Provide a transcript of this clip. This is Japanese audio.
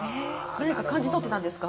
何か感じ取ってたんですか？